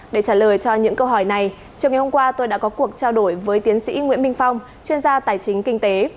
để trả lời cho những câu hỏi này chiều ngày hôm qua tôi đã có cuộc trao đổi với tiến sĩ nguyễn minh phong chuyên gia tài chính kinh tế